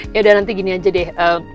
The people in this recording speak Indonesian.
ya udah nanti gini aja deh